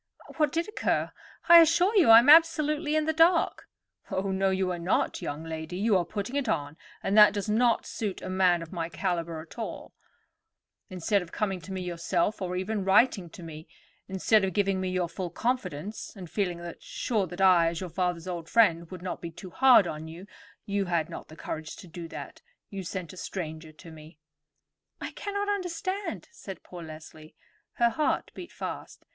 What did occur? I assure you I am absolutely in the dark." "Oh, no, you are not, young lady. You are putting it on, and that does not suit a man of my caliber at all. Instead of coming to me yourself, or even writing to me—instead of giving me your full confidence, and feeling sure that I, as your father's old friend, would not be too hard on you—you had not the courage to do that—you sent a stranger to me." "I cannot understand," said poor Leslie. Her heart beat fast.